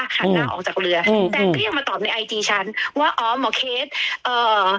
หันหน้าออกจากเรืออืมแต่ก็ยังมาตอบในไอจีฉันว่าอ๋อหมอเคสเอ่อ